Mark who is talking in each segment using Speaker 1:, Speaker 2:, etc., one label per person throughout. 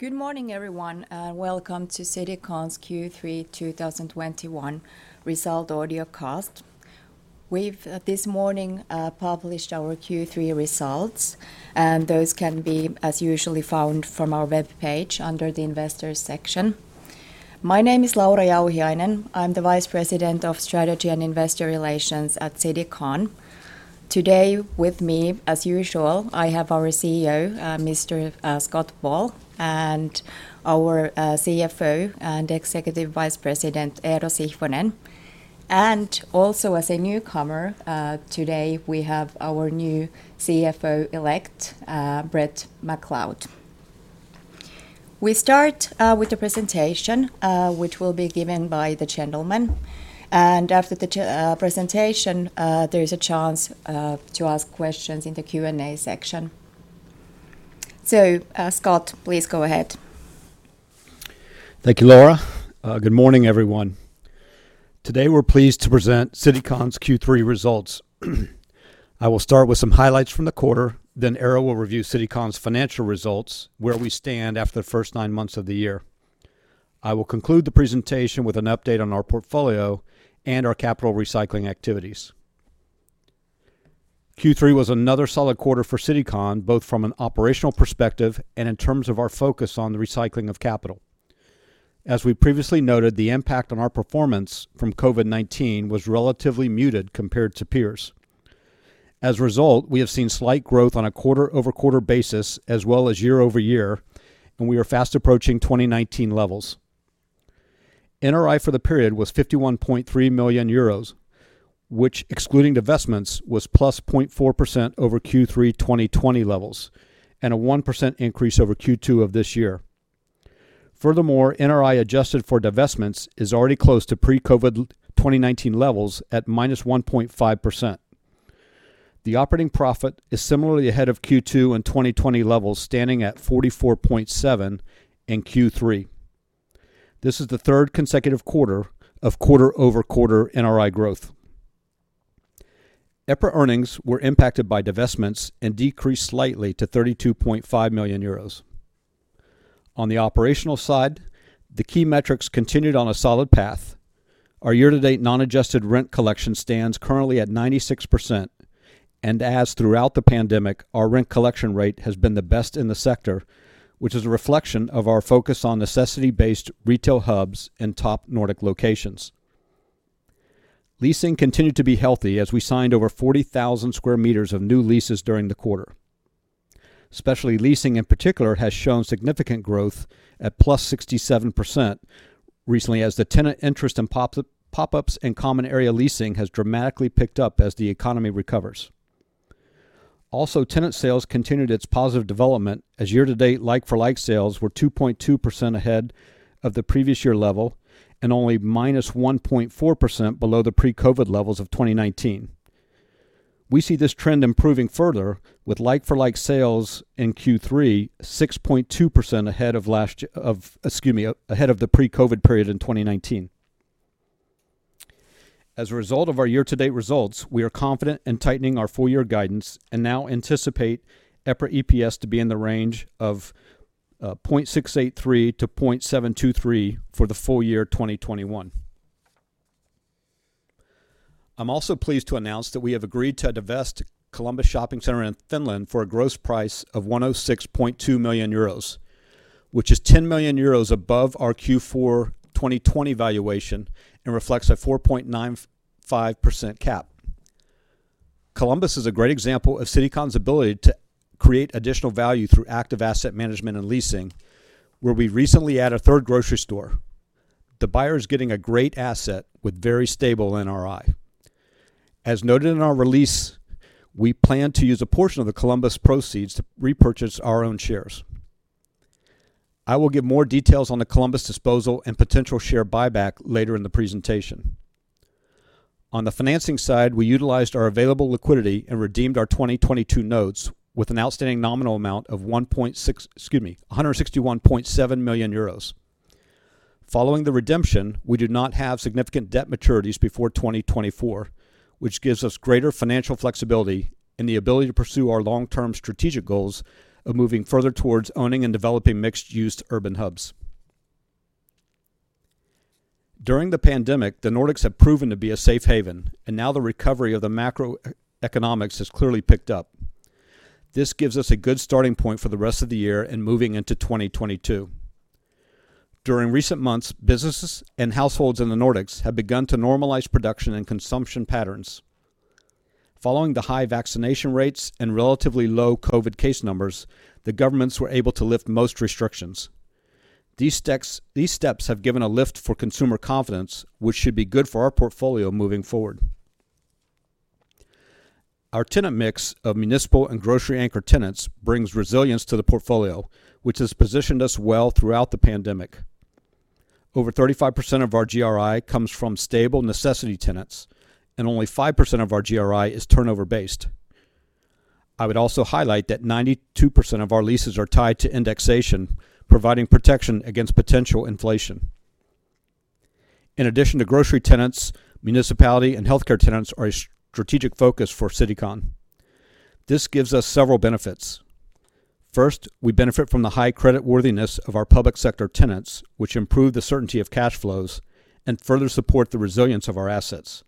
Speaker 1: Good morning, everyone, and welcome to Citycon's Q3 2021 results audiocast. We've this morning published our Q3 results, and those can be, as usual, found from our web page under the Investors section. My name is Laura Jauhiainen. I'm the Vice President of Strategy and Investor Relations at Citycon. Today with me, as usual, I have our CEO, Mr. Scott Ball, and our CFO and Executive Vice President, Eero Sihvonen. Also as a newcomer, today we have our new CFO-elect, Bret McLeod. We start with the presentation, which will be given by the gentlemen. After the presentation, there is a chance to ask questions in the Q&A section. Scott, please go ahead.
Speaker 2: Thank you, Laura. Good morning, everyone. Today, we're pleased to present Citycon's Q3 results. I will start with some highlights from the quarter, then Eero will review Citycon's financial results where we stand after the first nine months of the year. I will conclude the presentation with an update on our portfolio and our capital recycling activities. Q3 was another solid quarter for Citycon, both from an operational perspective and in terms of our focus on the recycling of capital. As we previously noted, the impact on our performance from COVID-19 was relatively muted compared to peers. As a result, we have seen slight growth on a quarter-over-quarter basis as well as year-over-year, and we are fast approaching 2019 levels. NRI for the period was 51.3 million euros, which excluding divestments, was +0.4% over Q3 2020 levels and a 1% increase over Q2 of this year. Furthermore, NRI adjusted for divestments is already close to pre-COVID 2019 levels at -1.5%. The operating profit is similarly ahead of Q2 and 2020 levels, standing at 44.7 million in Q3. This is the third consecutive quarter of quarter-over-quarter NRI growth. EPRA earnings were impacted by divestments and decreased slightly to 32.5 million euros. On the operational side, the key metrics continued on a solid path. Our year-to-date non-adjusted rent collection stands currently at 96%. As throughout the pandemic, our rent collection rate has been the best in the sector, which is a reflection of our focus on necessity-based retail hubs in top Nordic locations. Leasing continued to be healthy as we signed over 40,000 sq m of new leases during the quarter. Specialty leasing, in particular, has shown significant growth at +67% recently as the tenant interest in pop-ups and common area leasing has dramatically picked up as the economy recovers. Also, tenant sales continued its positive development as year-to-date like-for-like sales were 2.2% ahead of the previous year level and only -1.4% below the pre-COVID levels of 2019. We see this trend improving further with like-for-like sales in Q3 6.2% ahead of the pre-COVID period in 2019. As a result of our year-to-date results, we are confident in tightening our full year guidance and now anticipate EPRA EPS to be in the range of 0.683-0.723 for the full year 2021. I'm also pleased to announce that we have agreed to divest Columbus Shopping Center in Finland for a gross price of 106.2 million euros, which is 10 million euros above our Q4 2020 valuation and reflects a 4.95% cap. Columbus is a great example of Citycon's ability to create additional value through active asset management and leasing, where we recently add a third grocery store. The buyer is getting a great asset with very stable NRI. As noted in our release, we plan to use a portion of the Columbus proceeds to repurchase our own shares. I will give more details on the Columbus disposal and potential share buyback later in the presentation. On the financing side, we utilized our available liquidity and redeemed our 2022 notes with an outstanding nominal amount of 161.7 million euros. Following the redemption, we do not have significant debt maturities before 2024, which gives us greater financial flexibility and the ability to pursue our long-term strategic goals of moving further towards owning and developing mixed-use urban hubs. During the pandemic, the Nordics have proven to be a safe haven, and now the recovery of the macroeconomics has clearly picked up. This gives us a good starting point for the rest of the year and moving into 2022. During recent months, businesses and households in the Nordics have begun to normalize production and consumption patterns. Following the high vaccination rates and relatively low COVID case numbers, the governments were able to lift most restrictions. These steps have given a lift for consumer confidence, which should be good for our portfolio moving forward. Our tenant mix of municipal and grocery anchor tenants brings resilience to the portfolio, which has positioned us well throughout the pandemic. Over 35% of our GRI comes from stable necessity tenants, and only 5% of our GRI is turnover-based. I would also highlight that 92% of our leases are tied to indexation, providing protection against potential inflation. In addition to grocery tenants, municipality and healthcare tenants are a strategic focus for Citycon. This gives us several benefits. First, we benefit from the high creditworthiness of our public sector tenants, which improve the certainty of cash flows and further support the resilience of our assets.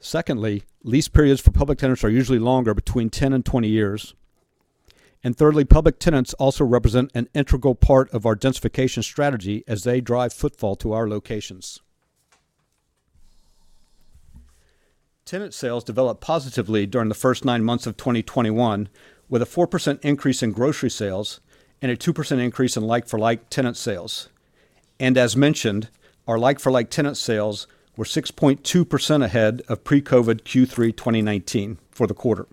Speaker 2: Secondly, lease periods for public tenants are usually longer, between 10 and 20 years. Thirdly, public tenants also represent an integral part of our densification strategy as they drive footfall to our locations. Tenant sales developed positively during the first 9 months of 2021, with a 4% increase in grocery sales and a 2% increase in like-for-like tenant sales. As mentioned, our like-for-like tenant sales were 6.2% ahead of pre-COVID Q3 2019 for the quarter.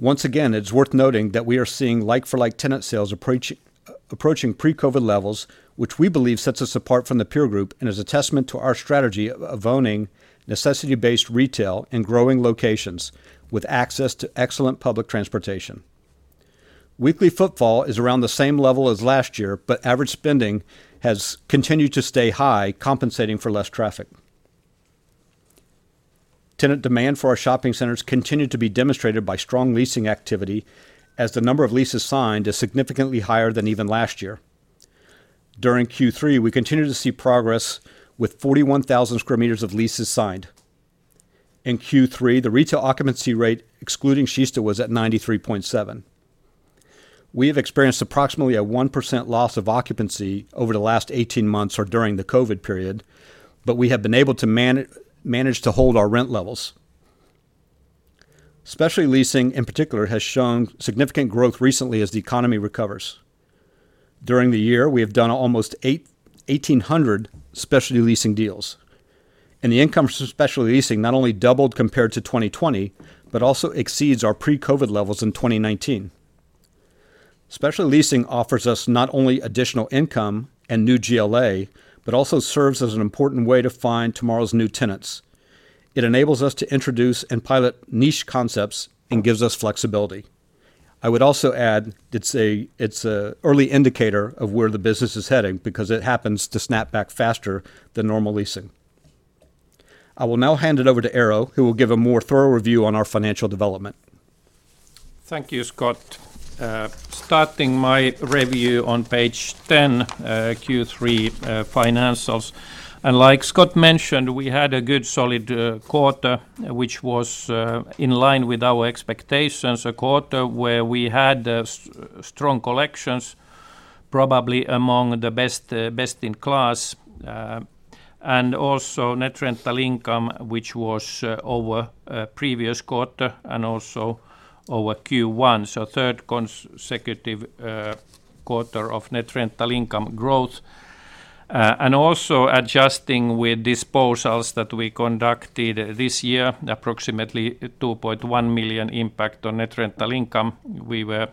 Speaker 2: Once again, it's worth noting that we are seeing like-for-like tenant sales approaching pre-COVID levels, which we believe sets us apart from the peer group and is a testament to our strategy of owning necessity-based retail in growing locations with access to excellent public transportation. Weekly footfall is around the same level as last year, but average spending has continued to stay high, compensating for less traffic. Tenant demand for our shopping centers continued to be demonstrated by strong leasing activity, as the number of leases signed is significantly higher than even last year. During Q3, we continued to see progress with 41,000 sq m of leases signed. In Q3, the retail occupancy rate, excluding Kista, was at 93.7%. We have experienced approximately a 1% loss of occupancy over the last 18 months or during the COVID period, but we have been able to manage to hold our rent levels. Specialty leasing in particular has shown significant growth recently as the economy recovers. During the year, we have done almost 1,800 specialty leasing deals, and the income from specialty leasing not only doubled compared to 2020 but also exceeds our pre-COVID levels in 2019. Specialty leasing offers us not only additional income and new GLA, but also serves as an important way to find tomorrow's new tenants. It enables us to introduce and pilot niche concepts and gives us flexibility. I would also add it's an early indicator of where the business is heading because it happens to snap back faster than normal leasing. I will now hand it over to Eero, who will give a more thorough review on our financial development.
Speaker 3: Thank you, Scott. Starting my review on page 10, Q3 financials. Like Scott mentioned, we had a good solid quarter, which was in line with our expectations. A quarter where we had strong collections, probably among the best in class, and also net rental income, which was over previous quarter and also over Q1. Third consecutive quarter of net rental income growth. Adjusting with disposals that we conducted this year, approximately 2.1 million impact on net rental income. We were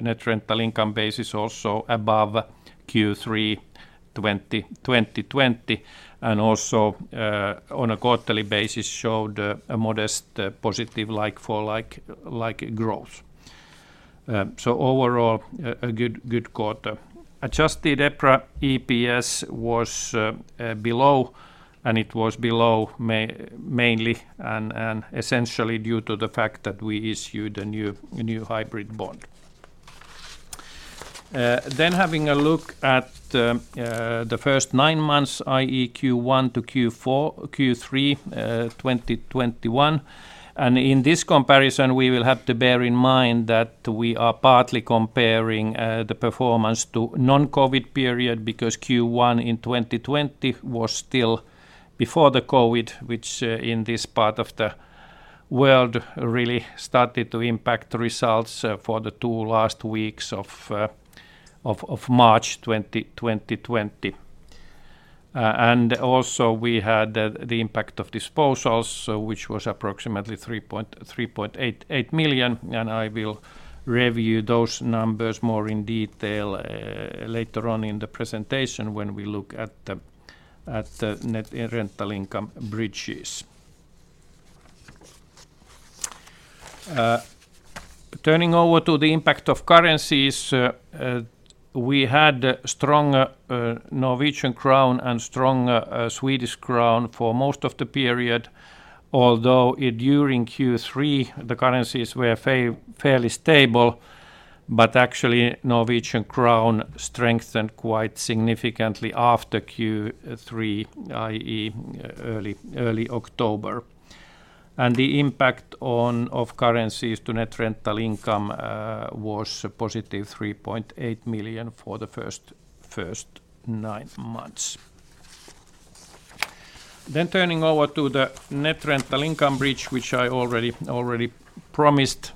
Speaker 3: net rental income basis also above Q3 2020 and also on a quarterly basis showed a modest positive like-for-like growth. Overall a good quarter. Adjusted EPRA EPS was below, and it was below mainly and essentially due to the fact that we issued a new hybrid bond. Having a look at the first nine months, i.e., Q1 to Q3, 2021, and in this comparison we will have to bear in mind that we are partly comparing the performance to non-COVID period because Q1 in 2020 was still before the COVID, which in this part of the world really started to impact results for the two last weeks of March 2020. We also had the impact of disposals, which was approximately 3.88 million, and I will review those numbers more in detail later on in the presentation when we look at the net rental income bridges. Turning over to the impact of currencies, we had strong Norwegian crown and strong Swedish crown for most of the period, although during Q3 the currencies were fairly stable, but actually Norwegian crown strengthened quite significantly after Q3, i.e., early October. The impact of currencies to net rental income was a positive 3.8 million for the first nine months. Turning over to the net rental income bridge, which I already promised,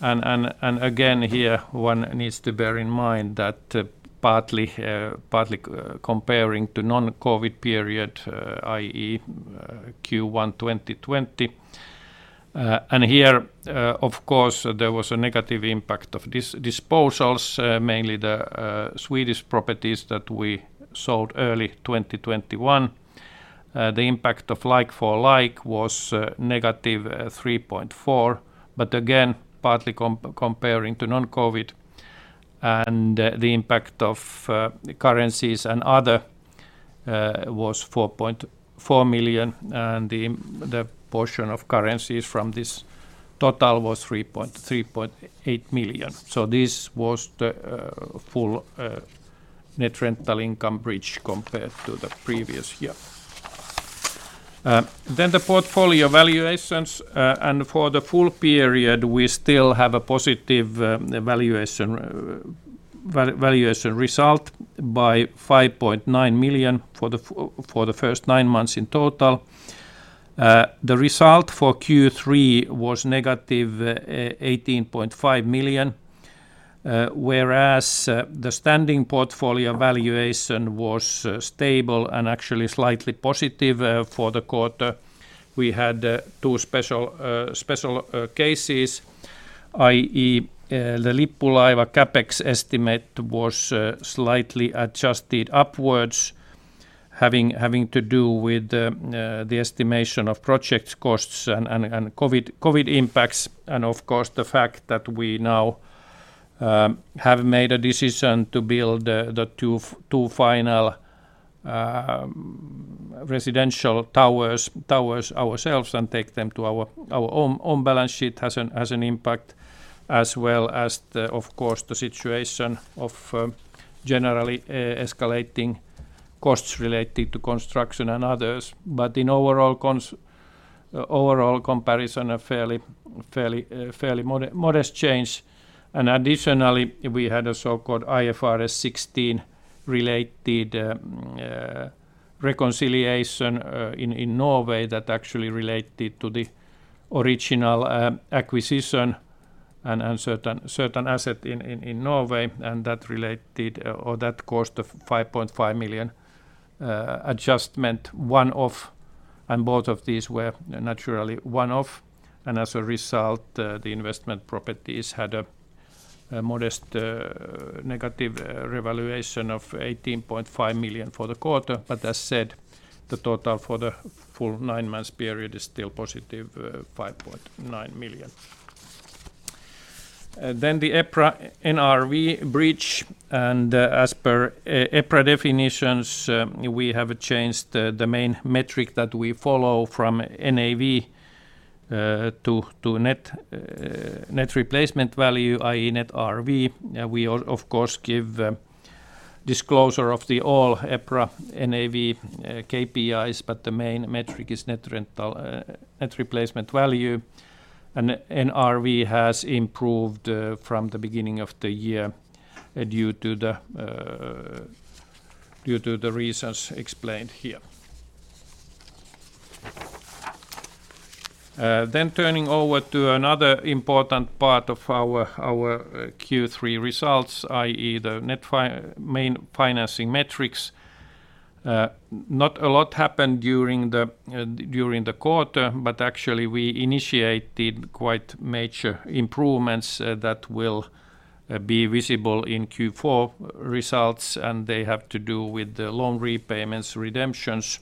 Speaker 3: and again here one needs to bear in mind that partly comparing to non-COVID period, i.e., Q1 2020. Here, of course, there was a negative impact of disposals, mainly the Swedish properties that we sold early 2021. The impact of like-for-like was -EUR 3.4 million, but again, partly comparing to non-COVID. The impact of the currencies and other was 4.4 million, and the portion of currencies from this total was 3.8 million. This was the full net rental income bridge compared to the previous year. The portfolio valuations and for the full period, we still have a positive valuation result by 5.9 million for the first nine months in total. The result for Q3 was negative 18.5 million, whereas the standing portfolio valuation was stable and actually slightly positive for the quarter. We had two special cases, i.e., the Lippulaiva CapEx estimate was slightly adjusted upwards, having to do with the estimation of project costs and COVID impacts and of course the fact that we now have made a decision to build the two final residential towers ourselves and take them to our own balance sheet has an impact as well as the. Of course, the situation of generally escalating costs related to construction and others. In overall comparison, a fairly modest change. Additionally, we had a so-called IFRS 16 related reconciliation in Norway that actually related to the original acquisition and certain asset in Norway, and that cost of 5.5 million adjustment one-off. Both of these were naturally one-off, and as a result, the investment properties had a modest negative revaluation of 18.5 million for the quarter. As said, the total for the full nine months period is still positive five point nine million. Then the EPRA NRV bridge, and as per EPRA definitions, we have changed the main metric that we follow from NAV to net replacement value, i.e., NRV. We of course give disclosure of all EPRA NAV KPIs, but the main metric is net replacement value. NRV has improved from the beginning of the year due to the reasons explained here. Turning to another important part of our Q3 results, i.e., the main financing metrics. Not a lot happened during the quarter, but actually we initiated quite major improvements that will be visible in Q4 results, and they have to do with the loan repayments, redemptions.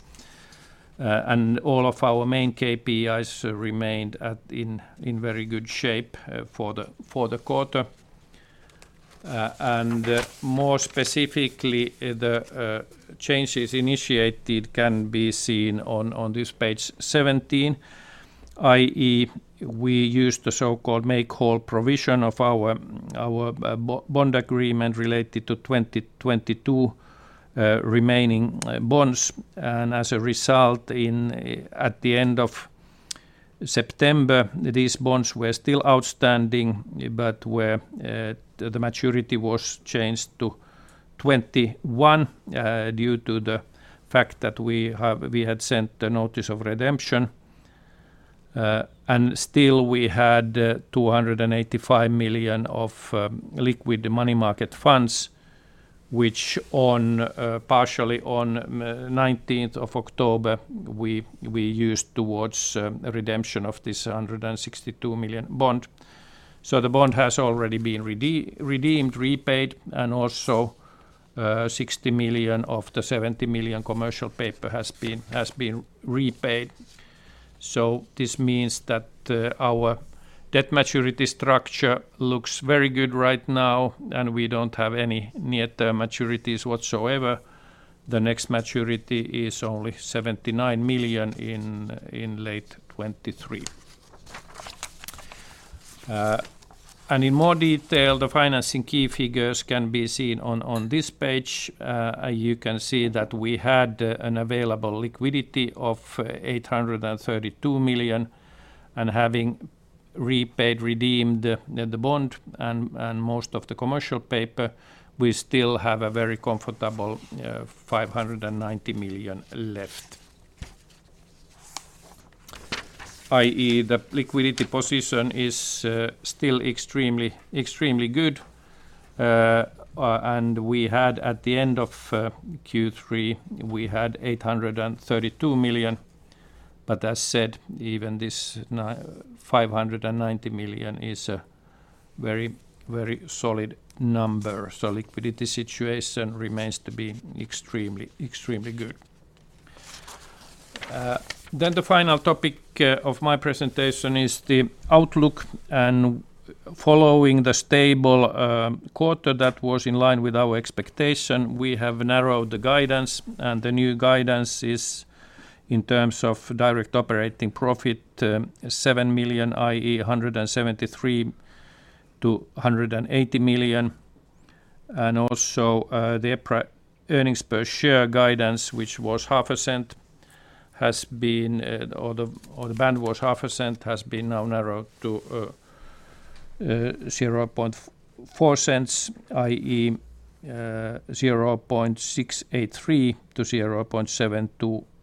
Speaker 3: All of our main KPIs remained in very good shape for the quarter. More specifically, the changes initiated can be seen on this page 17, i.e. we use the so-called make-whole provision of our bond agreement related to 2022 remaining bonds. As a result, at the end of September, these bonds were still outstanding but the maturity was changed to 2021 due to the fact that we had sent a notice of redemption. Still we had 285 million of liquid money market funds, which, partially on October 19th, we used towards a redemption of this 162 million bond. The bond has already been redeemed, repaid, and also, 60 million of the 70 million commercial paper has been repaid. This means that, our debt maturity structure looks very good right now, and we don't have any near-term maturities whatsoever. The next maturity is only 79 million in late 2023. In more detail, the financing key figures can be seen on this page. You can see that we had an available liquidity of 832 million, and having repaid, redeemed the bond and most of the commercial paper, we still have a very comfortable 590 million left. I.e., the liquidity position is still extremely good. We had at the end of Q3, we had 832 million. As said, even this 590 million is a very, very solid number. Liquidity situation remains to be extremely good. The final topic of my presentation is the outlook. Following the stable quarter that was in line with our expectation, we have narrowed the guidance. The new guidance is in terms of direct operating profit, i.e., 173 to 180 million. Also, the EPRA earnings per share guidance, which was half a cent, has been now narrowed to 0.004, i.e., 0.683 to 0.723.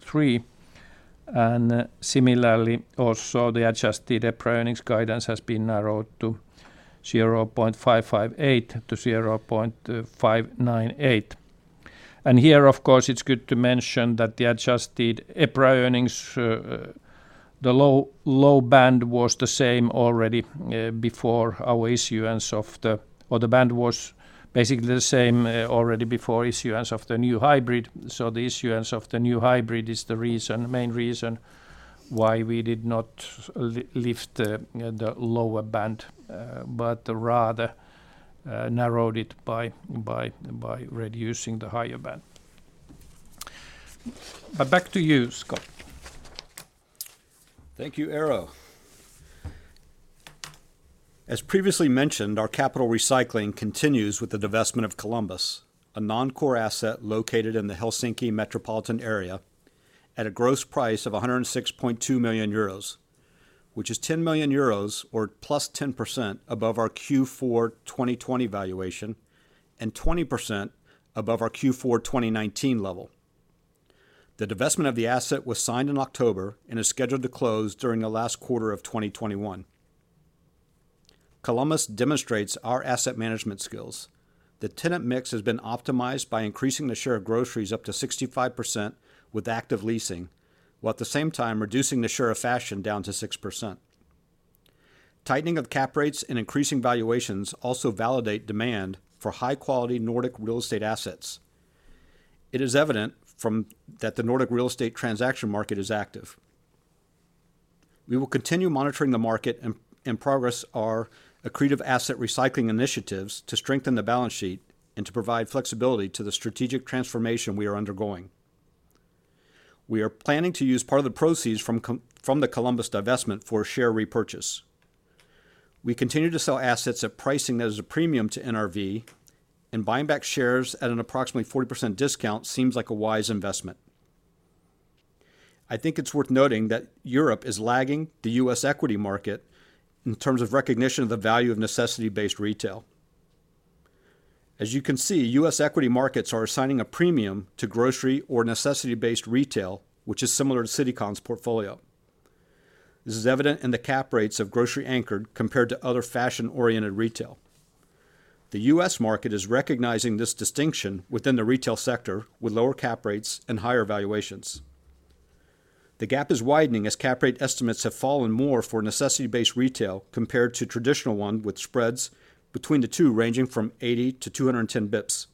Speaker 3: Similarly, also, the adjusted EPRA earnings guidance has been narrowed to 0.558 to 0.598. Here, of course, it's good to mention that the adjusted EPRA earnings, the low band was the same already before our issuance of the. The band was basically the same already before issuance of the new hybrid. The issuance of the new hybrid is the reason, main reason why we did not lift the lower band but rather narrowed it by reducing the higher band. Back to you, Scott.
Speaker 2: Thank you, Eero. As previously mentioned, our capital recycling continues with the divestment of Columbus, a non-core asset located in the Helsinki metropolitan area, at a gross price of 106.2 million euros, which is 10 million euros or +10% above our Q4 2020 valuation and 20% above our Q4 2019 level. The divestment of the asset was signed in October and is scheduled to close during the last quarter of 2021. Columbus demonstrates our asset management skills. The tenant mix has been optimized by increasing the share of groceries up to 65% with active leasing, while at the same time reducing the share of fashion down to 6%. Tightening of cap rates and increasing valuations also validate demand for high-quality Nordic real estate assets. It is evident that the Nordic real estate transaction market is active. We will continue monitoring the market and progress our accretive asset recycling initiatives to strengthen the balance sheet and to provide flexibility to the strategic transformation we are undergoing. We are planning to use part of the proceeds from the Columbus divestment for share repurchase. We continue to sell assets at pricing that is a premium to NRV, and buying back shares at an approximately 40% discount seems like a wise investment. I think it's worth noting that Europe is lagging the US equity market in terms of recognition of the value of necessity-based retail. As you can see, US equity markets are assigning a premium to grocery or necessity-based retail, which is similar to Citycon's portfolio. This is evident in the cap rates of grocery-anchored compared to other fashion-oriented retail. The US market is recognizing this distinction within the retail sector with lower cap rates and higher valuations. The gap is widening as cap rate estimates have fallen more for necessity-based retail compared to traditional one, with spreads between the two ranging from 80 to 210 basis points.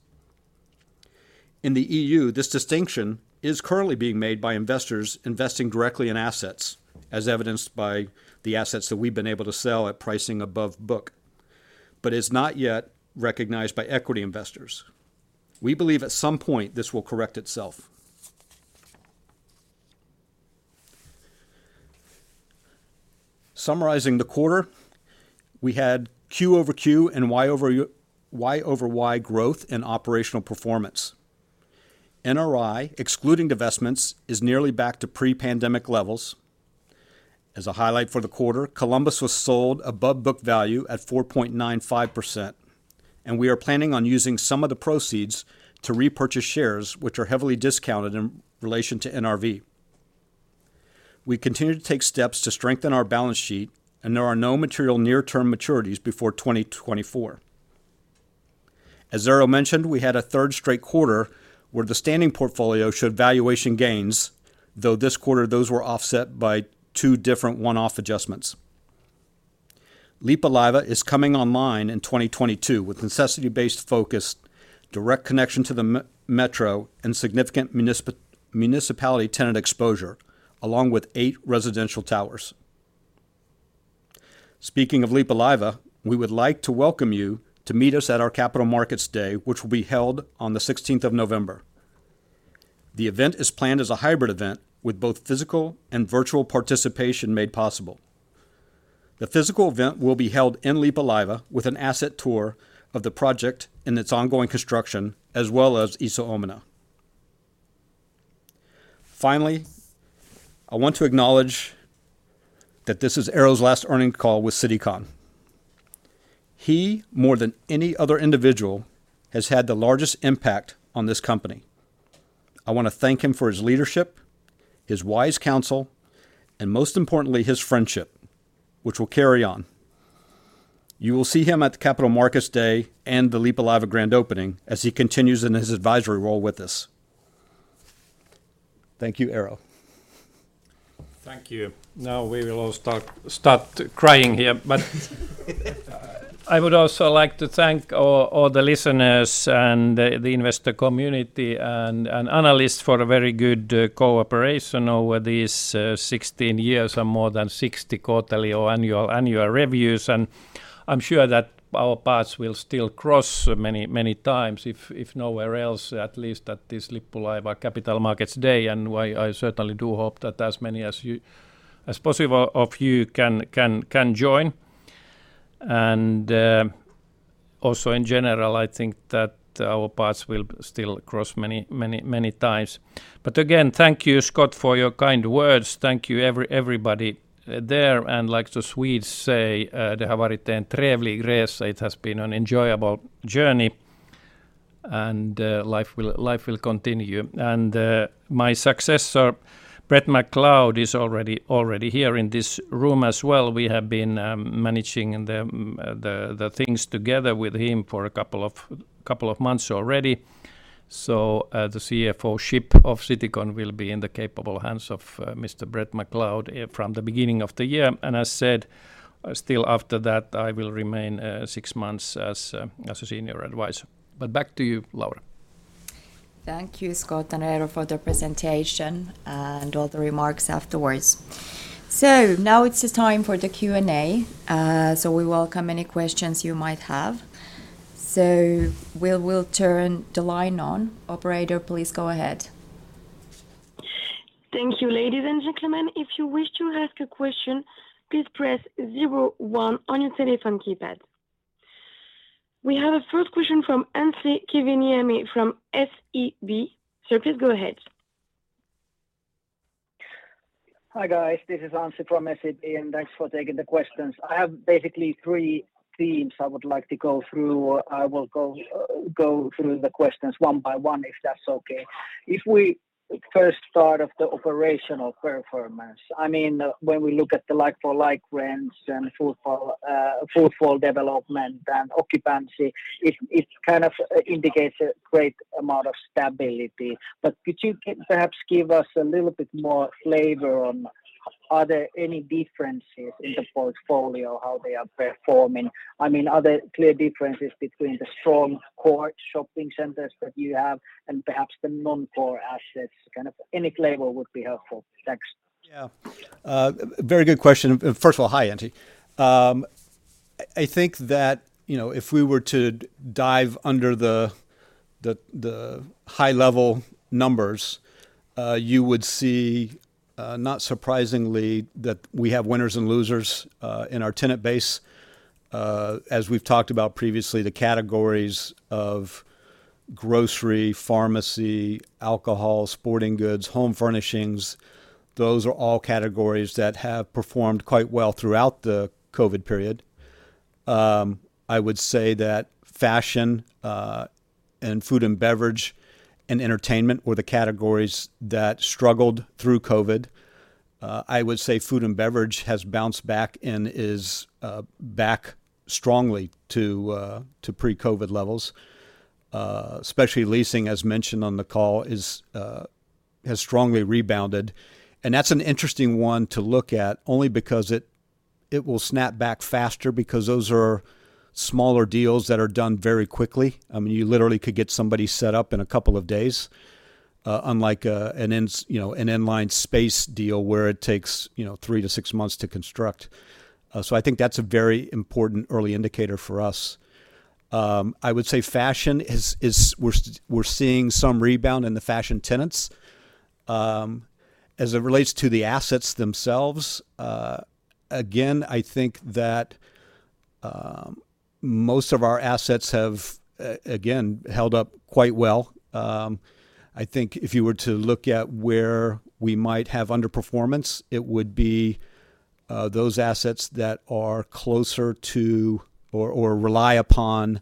Speaker 2: In the EU, this distinction is currently being made by investors investing directly in assets, as evidenced by the assets that we've been able to sell at pricing above book, but is not yet recognized by equity investors. We believe at some point this will correct itself. Summarizing the quarter, we had Q-over-Q and Y-over-Y growth in operational performance. NRI, excluding divestments, is nearly back to pre-pandemic levels. As a highlight for the quarter, Columbus was sold above book value at 4.95%, and we are planning on using some of the proceeds to repurchase shares which are heavily discounted in relation to NRV. We continue to take steps to strengthen our balance sheet, and there are no material near-term maturities before 2024. As Eero mentioned, we had a third straight quarter where the standing portfolio showed valuation gains, though this quarter those were offset by two different one-off adjustments. Lippulaiva is coming online in 2022 with necessity-based focus, direct connection to the metro, and significant municipality tenant exposure, along with eight residential towers. Speaking of Lippulaiva, we would like to welcome you to meet us at our Capital Markets Day, which will be held on the sixteenth of November. The event is planned as a hybrid event with both physical and virtual participation made possible. The physical event will be held in Lippulaiva with an asset tour of the project and its ongoing construction, as well as Iso Omena. Finally, I want to acknowledge that this is Eero's last earnings call with Citycon. He, more than any other individual, has had the largest impact on this company. I want to thank him for his leadership, his wise counsel, and most importantly, his friendship, which will carry on. You will see him at the Capital Markets Day and the Lippulaiva Grand Opening as he continues in his advisory role with us. Thank you, Eero.
Speaker 3: Thank you. Now we will all start crying here. I would also like to thank all the listeners and the investor community and analysts for a very good cooperation over these 16 years and more than 60 quarterly or annual reviews. I'm sure that our paths will still cross many times if nowhere else, at least at this Lippulaiva Capital Markets Day. I certainly do hope that as many as possible of you can join. Also in general, I think that our paths will still cross many times. Again, thank you, Scott, for your kind words. Thank you everybody there. Like the Swedes say, it has been an enjoyable journey, and life will continue. My successor, Brett McLeod, is already here in this room as well. We have been managing the things together with him for a couple of months already. The CFO-ship of Citycon will be in the capable hands of Mr. Brett McLeod from the beginning of the year. As I said, still after that, I will remain six months as a senior advisor. Back to you, Laura.
Speaker 1: Thank you, Scott and Eero, for the presentation and all the remarks afterwards. Now it is time for the Q&A, so we welcome any questions you might have. We will turn the line on. Operator, please go ahead.
Speaker 4: Thank you. Ladies and gentlemen, if you wish to ask a question, please press zero one on your telephone keypad. We have a first question from Anssi Kiviniemi from SEB. Sir, please go ahead.
Speaker 5: Hi, guys. This is Anssi from SEB, and thanks for taking the questions. I have basically three themes I would like to go through. I will go through the questions one by one, if that's okay. If we first start off the operational performance, I mean, when we look at the like-for-like rents and footfall development and occupancy, it kind of indicates a great amount of stability. But could you perhaps give us a little bit more flavor on, are there any differences in the portfolio, how they are performing? I mean, are there clear differences between the strong core shopping centers that you have and perhaps the non-core assets? Kind of any flavor would be helpful. Thanks.
Speaker 2: Yeah. Very good question. First of all, hi, Anssi. I think that, you know, if we were to dive under the high level numbers, you would see, not surprisingly that we have winners and losers in our tenant base. As we've talked about previously, the categories of grocery, pharmacy, alcohol, sporting goods, home furnishings, those are all categories that have performed quite well throughout the COVID period. I would say that fashion and food and beverage and entertainment were the categories that struggled through COVID. I would say food and beverage has bounced back and is back strongly to pre-COVID levels. Specialty leasing, as mentioned on the call, has strongly rebounded. That's an interesting one to look at only because it will snap back faster because those are smaller deals that are done very quickly. I mean, you literally could get somebody set up in a couple of days, unlike, you know, an inline space deal where it takes, you know, three to six months to construct. I think that's a very important early indicator for us. I would say we're seeing some rebound in the fashion tenants. As it relates to the assets themselves, again, I think that most of our assets have again held up quite well. I think if you were to look at where we might have underperformance, it would be those assets that are closer to or rely upon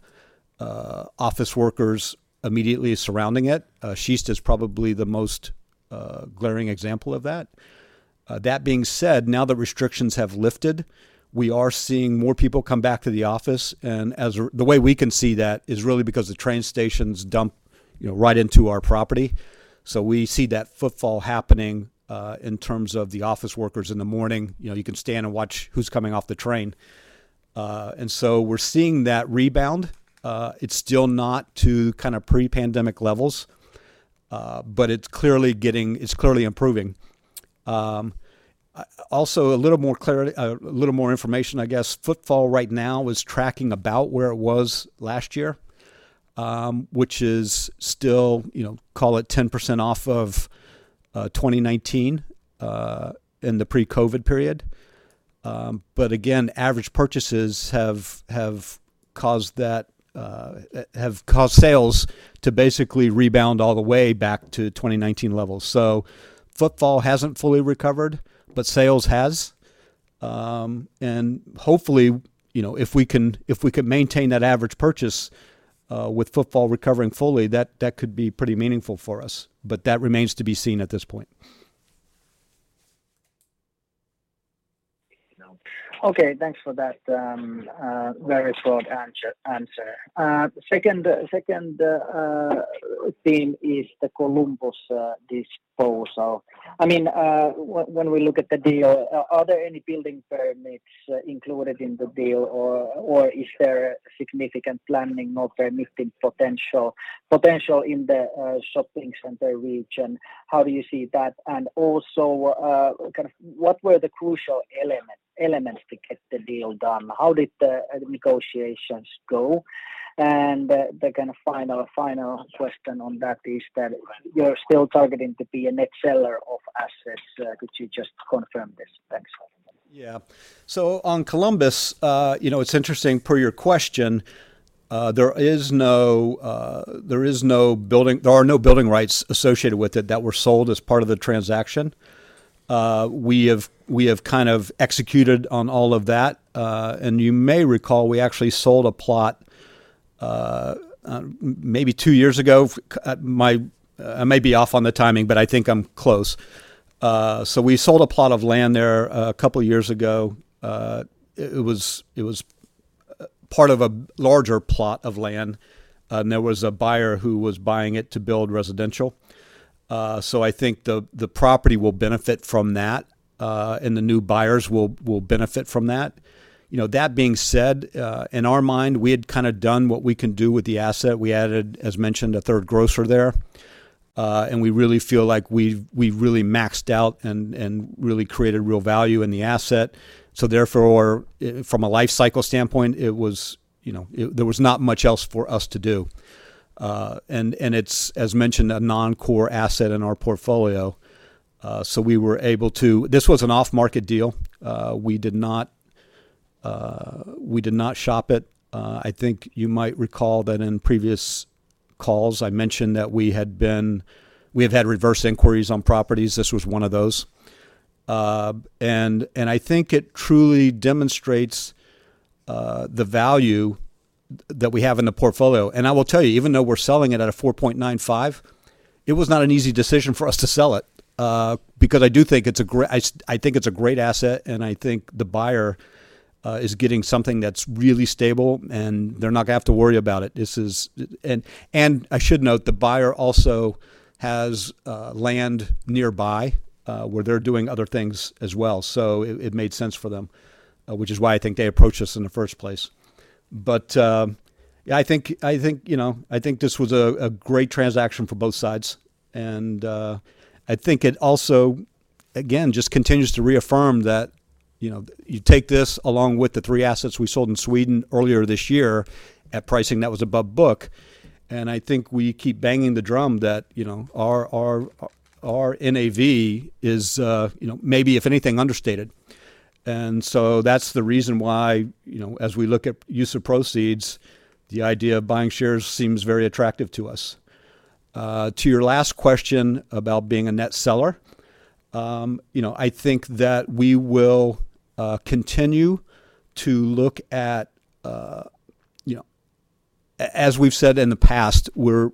Speaker 2: office workers immediately surrounding it. Sheest is probably the most glaring example of that. That being said, now that restrictions have lifted, we are seeing more people come back to the office. The way we can see that is really because the train stations dump, you know, right into our property. We see that footfall happening in terms of the office workers in the morning. You know, you can stand and watch who's coming off the train. We're seeing that rebound. It's still not to kind of pre-pandemic levels, but it's clearly improving. Also a little more clarity, a little more information, I guess. Footfall right now is tracking about where it was last year, which is still, you know, call it 10% off of 2019 in the pre-COVID period. Again, average purchases have caused sales to basically rebound all the way back to 2019 levels. Footfall hasn't fully recovered, but sales has. Hopefully, you know, if we can maintain that average purchase with footfall recovering fully, that could be pretty meaningful for us. That remains to be seen at this point.
Speaker 5: Okay, thanks for that, very short answer. Second theme is the Columbus disposal. I mean, when we look at the deal, are there any building permits included in the deal, or is there significant planning or permitting potential in the shopping center region? How do you see that? And also, kind of what were the crucial elements to get the deal done? How did the negotiations go? And the kind of final question on that is that you're still targeting to be a net seller of assets. Could you just confirm this? Thanks.
Speaker 2: Yeah. On Columbus, you know, it's interesting per your question, there are no building rights associated with it that were sold as part of the transaction. We have kind of executed on all of that. You may recall, we actually sold a plot, maybe two years ago. I may be off on the timing, but I think I'm close. We sold a plot of land there a couple of years ago. It was part of a larger plot of land, and there was a buyer who was buying it to build residential. I think the property will benefit from that, and the new buyers will benefit from that. You know, that being said, in our mind, we had kinda done what we can do with the asset. We added, as mentioned, a third grocer there. And we really feel like we've really maxed out and really created real value in the asset. So therefore, from a life cycle standpoint, it was, you know. There was not much else for us to do. And it's, as mentioned, a non-core asset in our portfolio, so we were able to. This was an off-market deal. We did not shop it. I think you might recall that in previous calls, I mentioned that we have had reverse inquiries on properties. This was one of those. And I think it truly demonstrates the value that we have in the portfolio. I will tell you, even though we're selling it at a 4.95, it was not an easy decision for us to sell it, because I do think it's a great asset, and I think the buyer is getting something that's really stable, and they're not gonna have to worry about it. I should note, the buyer also has land nearby, where they're doing other things as well. It made sense for them, which is why I think they approached us in the first place. I think, you know, I think this was a great transaction for both sides. I think it also, again, just continues to reaffirm that, you know, you take this along with the three assets we sold in Sweden earlier this year at pricing that was above book. I think we keep banging the drum that, you know, our NAV is, you know, maybe if anything, understated. That's the reason why, you know, as we look at use of proceeds, the idea of buying shares seems very attractive to us. To your last question about being a net seller, you know, I think that we will continue to look at, you know, as we've said in the past, we're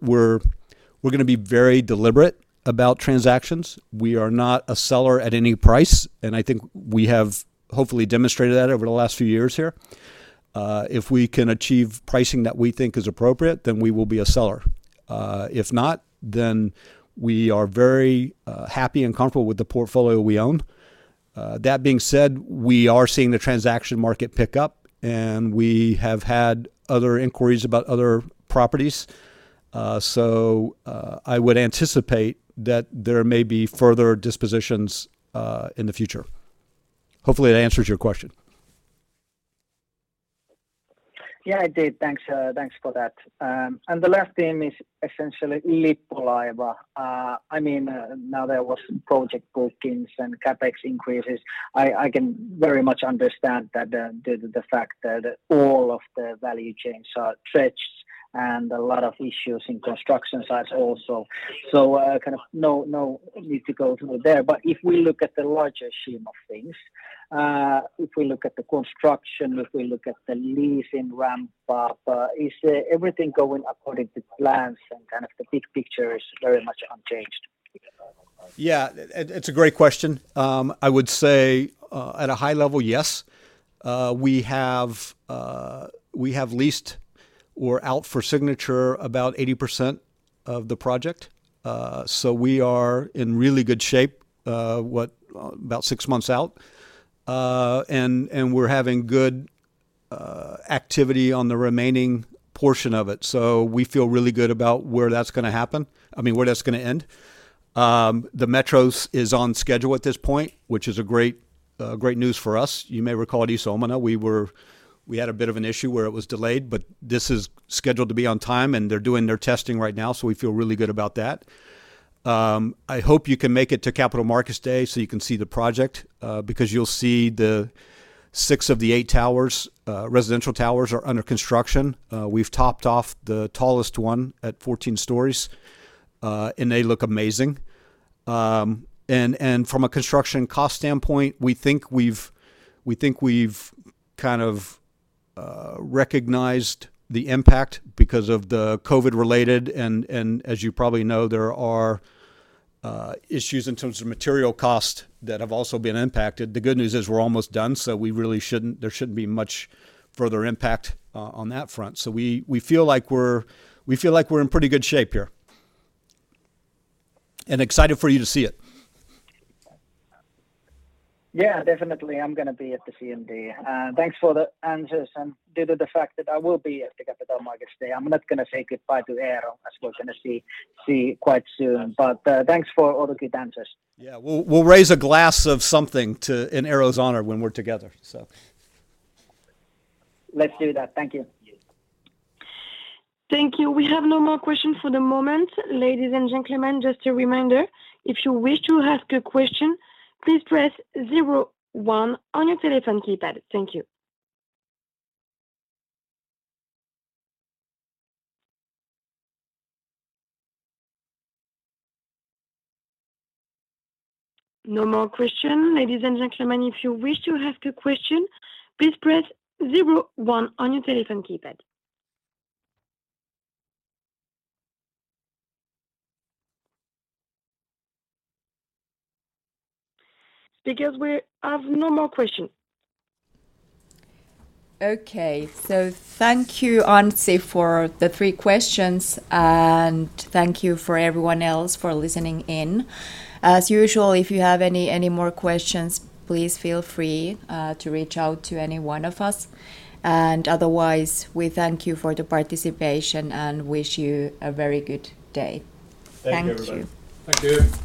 Speaker 2: gonna be very deliberate about transactions. We are not a seller at any price, and I think we have hopefully demonstrated that over the last few years here. If we can achieve pricing that we think is appropriate, then we will be a seller. If not, then we are very happy and comfortable with the portfolio we own. That being said, we are seeing the transaction market pick up, and we have had other inquiries about other properties. I would anticipate that there may be further dispositions in the future. Hopefully, that answers your question.
Speaker 5: Yeah, it did. Thanks. Thanks for that. The last theme is essentially Lippulaiva. I mean, now there was project bookings and CapEx increases. I can very much understand that, the fact that all of the value chains are stretched and a lot of issues in construction sites also. Kind of no need to go through there. If we look at the larger scheme of things, if we look at the construction, if we look at the leasing ramp up, is everything going according to plans and kind of the big picture is very much unchanged?
Speaker 2: Yeah. It's a great question. I would say at a high level, yes. We have leased or out for signature about 80% of the project. We are in really good shape about six months out. We're having good activity on the remaining portion of it. We feel really good about where that's gonna happen. I mean, where that's gonna end. The metro is on schedule at this point, which is great news for us. You may recall at Iso Omena we had a bit of an issue where it was delayed, but this is scheduled to be on time, and they're doing their testing right now, so we feel really good about that. I hope you can make it to Capital Markets Day, so you can see the project, because you'll see the six of the eight towers, residential towers are under construction. We've topped off the tallest one at 14 stories, and they look amazing. And from a construction cost standpoint, we think we've recognized the impact because of the COVID-related and as you probably know, there are issues in terms of material cost that have also been impacted. The good news is we're almost done, so there shouldn't be much further impact on that front. We feel like we're in pretty good shape here and excited for you to see it.
Speaker 5: Yeah, definitely, I'm gonna be at the CMD. Thanks for the answers. Due to the fact that I will be at the Capital Markets Day, I'm not gonna say goodbye to Eero as we're gonna see quite soon. Thanks for all the good answers.
Speaker 2: Yeah. We'll raise a glass of something in Eero's honor when we're together, so.
Speaker 5: Let's do that. Thank you.
Speaker 4: Thank you. We have no more questions for the moment. Ladies and gentlemen, just a reminder, if you wish to ask a question, please press zero one on your telephone keypad. Thank you. No more question. Ladies and gentlemen, if you wish to ask a question, please press zero one on your telephone keypad. Speakers, we have no more question.
Speaker 1: Okay. Thank you, Anssi, for the three questions, and thank you for everyone else for listening in. As usual, if you have any more questions, please feel free to reach out to any one of us. Otherwise, we thank you for the participation and wish you a very good day.
Speaker 2: Thank you, everybody.
Speaker 1: Thanks.
Speaker 5: Thank you.